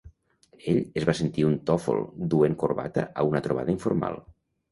Ell es va sentir un tòfol duent corbata a una trobada informal.